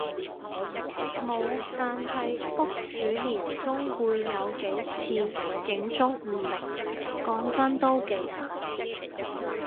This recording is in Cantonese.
無，但係屋主年中會有幾次警鐘誤鳴，講真都幾煩